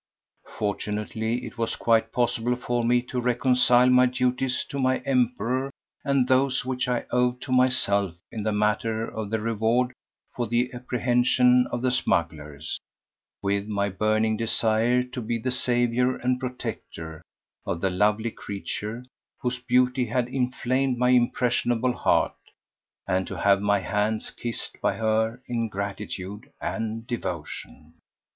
Fortunately it was quite possible for me to reconcile my duties to my Emperor and those which I owed to myself in the matter of the reward for the apprehension of the smugglers, with my burning desire to be the saviour and protector of the lovely creature whose beauty had inflamed my impressionable heart, and to have my hands kissed by her in gratitude and devotion.